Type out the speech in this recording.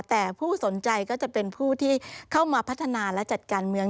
แต่ผู้สนใจก็จะเป็นผู้ที่เข้ามาพัฒนาและจัดการเมือง